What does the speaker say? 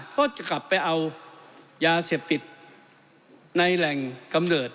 ก็จะกลับไปเอายาเสพติดในแหล่งกำเนิด